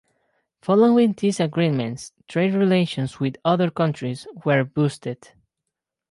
Following these agreements, trade relations with other countries were boosted.